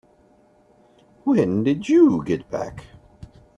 When did you get back?